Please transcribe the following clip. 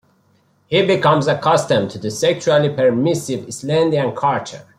He becomes accustomed to the sexually permissive Islandian culture.